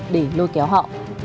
để lôi kéo họ